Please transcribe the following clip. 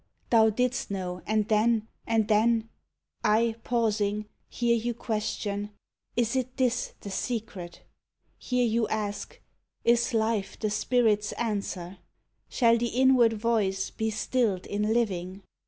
Thou did'st know and then, and then I, pausing, Hear you question, "Is it this, the secret ?" Hear you ask, " Is life the spirits answer? Shall the inward voice be stilled in living